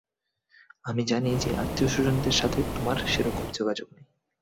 আমি জানি যে, আত্মীয়স্বজনদের সাথে তোমার সেরকম যোগাযোগ নেই।